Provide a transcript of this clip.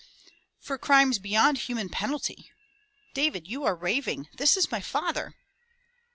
"For crimes beyond human penalty!" "David, you are raving. This is my father!"